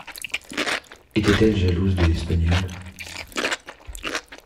Était-elle jalouse de l'Espagnole?